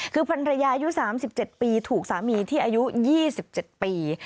คือพันรยาอายุ๓๗ปีถูกสามีที่อายุ๒๗ปี